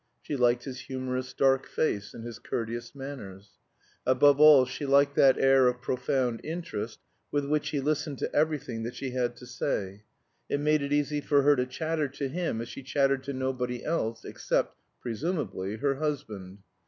She liked his humorous dark face and his courteous manners; above all, she liked that air of profound interest with which he listened to everything that she had to say; it made it easy for her to chatter to him as she chattered to nobody else, except (presumably) her husband.